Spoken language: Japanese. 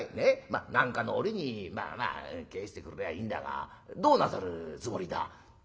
まっ何かの折にまあまあ返してくれりゃいいんだがどうなさるつもりだ？」。